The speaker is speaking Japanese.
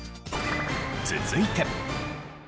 続いて。